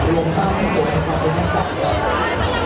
โรงบ้านให้สวยความรู้ขึ้นจากกัน